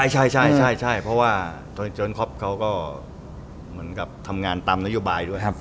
ใช่เพราะว่าเธอจนคลอปก็ทำงานตามนโยบายด้วย